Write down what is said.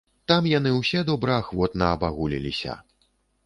Там яны ўсе добраахвотна абагуліліся.